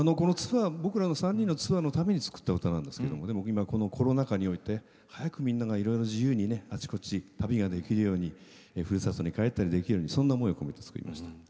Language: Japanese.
僕らの３人のツアーのために作った歌なんですけどもでも今このコロナ禍において早くみんながいろいろ自由にねあちこち旅ができるようにふるさとに帰ったりできるようにそんな思いを込めて作りました。